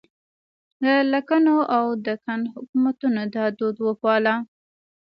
د لکنهو او دکن حکومتونو دا دود وپاله.